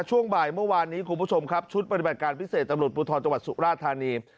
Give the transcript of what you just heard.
ช่วงบ่ายเมื่อวานนี้คุณผู้ชมครับชุดปฏิบัติการพิเศษตำรวจภูทรจังหวัดสุราธานี